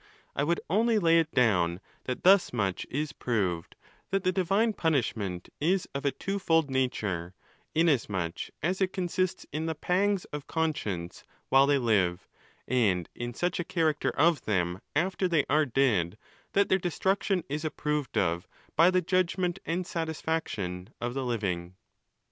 I would only lay it down that thus much is proved, that the divine punishment is of a twofold nature, in asmuch as it consists in the pangs of conscience while they live, and in such a character of them after they are dead that their destruction is approved of by the judgment and satisfac tion of the living.